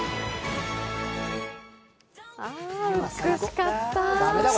あ、美しかった。